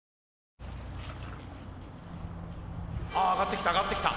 あ上がってきた上がってきた。